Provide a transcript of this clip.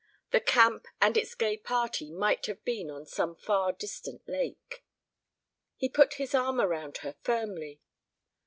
The camp and its gay party might have been on some far distant lake. He put his arm around her firmly.